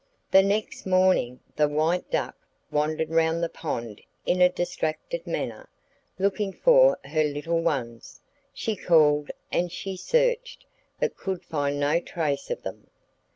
The next morning the White Duck wandered round the pond in a distracted manner, looking for her little ones; she called and she searched, but could find no trace of them.